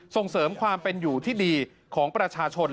ส่งเสริมความเป็นอยู่ที่ดีของประชาชน